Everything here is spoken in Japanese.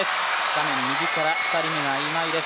画面右から２人目が今井です。